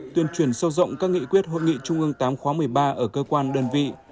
tuyên truyền sâu rộng các nghị quyết hội nghị trung ương viii khóa một mươi ba ở cơ quan đơn vị